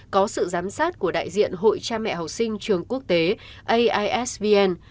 có sự giám sát của đại diện hội cha mẹ học sinh trường quốc tế aisvn